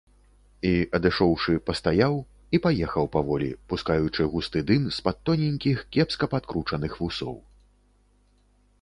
І, адышоўшы, пастаяў і паехаў паволі, пускаючы густы дым з-пад тоненькіх, кепска падкручаных вусоў.